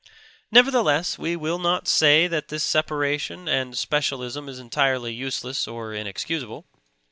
Nevertheless, we will not say that this separation and specialism is entirely useless or inexcusable.